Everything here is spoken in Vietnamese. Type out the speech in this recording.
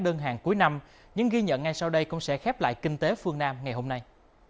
đơn hàng cuối năm những ghi nhận ngay sau đây cũng sẽ khép lại kinh tế phương nam ngày hôm nay